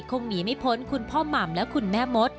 คงหนีไม่พ้นคุณพ่อหม่ำและคุณแม่มด